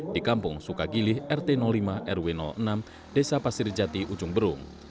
di kampung sukagili rt lima rw enam desa pasir jati ujung berung